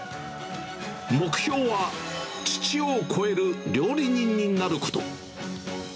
目標は、父を超える料理人になること。